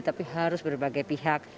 tapi harus berbagai pihak